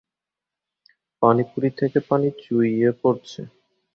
পানিপুরি থেকে পানি চুইয়ে পড়ছে।